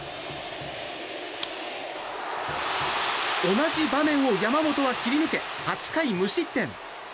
同じ場面を山本は切り抜け８回無失点。